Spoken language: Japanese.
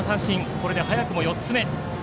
これで早くも４つ目。